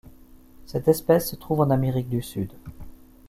Cette espèce se trouve en Amérique du Sud.